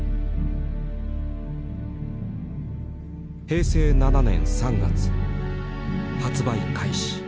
平成７年３月発売開始。